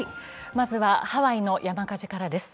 まずはハワイの山火事からです。